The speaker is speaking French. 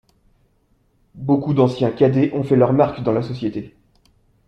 Beaucoup d’anciens cadets ont fait leur marque dans la société.